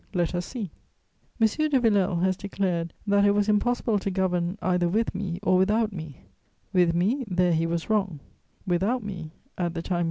Let us see. [Sidenote: The Comte de Villèle.] M. de Villèle has declared that it was impossible to govern either with me or without me. With me, there he was wrong; without me, at the time when M.